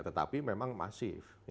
tetapi memang masif